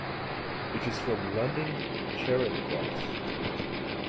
It is from London Charing Cross.